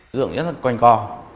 dựng nhất là quanh co